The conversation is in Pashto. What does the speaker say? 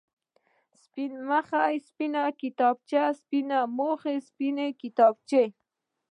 سپين مخ، سپينه کتابچه، سپين مخونه، سپينې کتابچې.